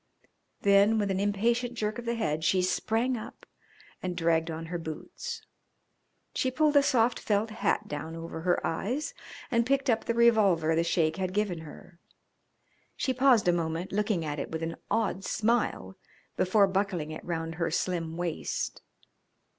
Then, with an impatient jerk of the head, she sprang up and dragged on her boots. She pulled a soft felt hat down over her eyes and picked up the revolver the Sheik had given her. She paused a moment, looking at it with an odd smile before buckling it round her slim waist.